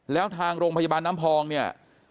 แล้วทางโรงพยาบาลน้ำพองเนี่ย